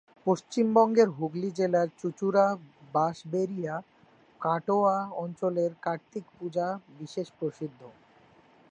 পশ্চিমবঙ্গের হুগলি জেলার চুঁচুড়া-বাঁশবেড়িয়া কাটোয়া অঞ্চলের কার্তিক পূজা বিশেষ প্রসিদ্ধ।